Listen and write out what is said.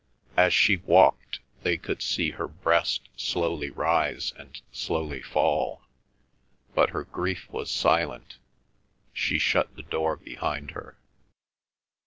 As she walked, they could see her breast slowly rise and slowly fall. But her grief was silent. She shut the door behind her.